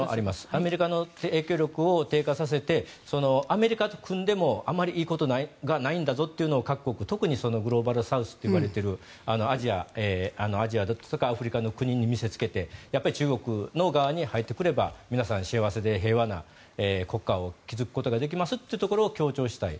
アメリカの影響力を低下させてアメリカと組んでもあまりいいことないんだぞと各国、特にグローバルサウスといわれているアジアとかアフリカの国々に見せつけてやっぱり中国側に入ってくれば皆さん、幸せで平和な国家を築くことができると強調したい。